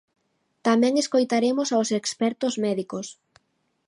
Tamén escoitaremos aos expertos médicos.